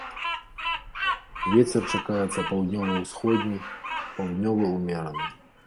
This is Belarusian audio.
Вецер чакаецца паўднёва-ўсходні, паўднёвы ўмераны.